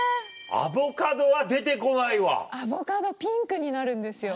アボカドピンクになるんですよ。